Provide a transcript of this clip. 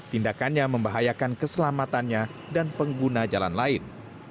tindakannya membahayakan keselamatannya dan pengguna jalan lain